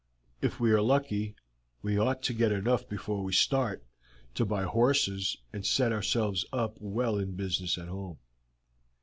If we are lucky we ought to get enough before we start to buy horses and set ourselves up well in business at home."